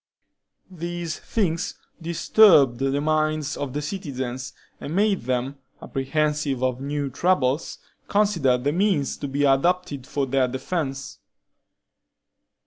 These things disturbed the minds of the citizens, and made them, apprehensive of new troubles, consider the means to be adopted for their defense.